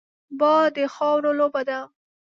باد د خاورو لوبه ده